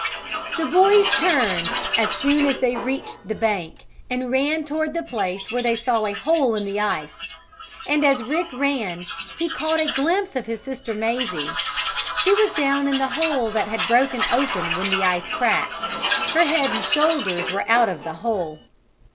The boys turned, as soon as they reached the bank, and ran toward the place where they saw a hole in the ice. And, as Rick ran he caught a glimpse of his sister Mazie. She was down in the hole that had broken open when the ice cracked. Her head and shoulders were out of the hole.